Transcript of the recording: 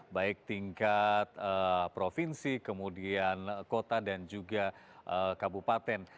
baik tingkat provinsi kemudian kota dan juga kabupaten